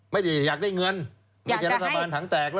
มันจะอยากได้เงินไม่ใช่รัฐบาลถังแตก